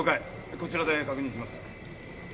こちらで確認します。